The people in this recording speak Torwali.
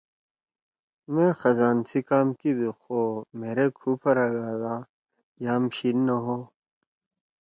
”مأ خزان سی کام کیِدُو خو مھیرے کھو پھرَگا دا یام شیِد نہ ہو۔“